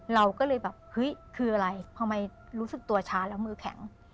เราก็เลยคิดว่าเอ๊ะคืออะไรเพราะรู้สึกว่าตัวช้ามือคัง